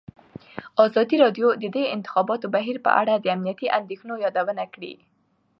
ازادي راډیو د د انتخاباتو بهیر په اړه د امنیتي اندېښنو یادونه کړې.